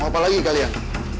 mau apa lagi kalian